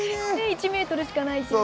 １ｍしかないしね。